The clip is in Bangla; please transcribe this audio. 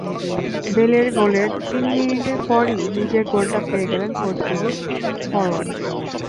বেলের গোলের তিন মিনিট পরই নিজের গোলটা পেয়ে গেলেন পর্তুগিজ ফরোয়ার্ড।